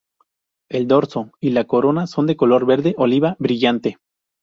El dorso y la corona son de color verde oliva brillante.